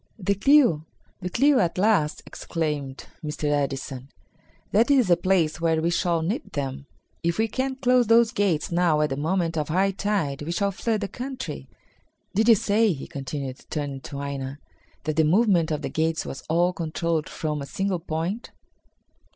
"The clew! The clew at last!" exclaimed Mr. Edison. "That is the place where we shall nip them. If we can close those gates now at the moment of high tide we shall flood the country. Did you say," he continued, turning to Aina, "that the movement of the gates was all controlled from a single point?"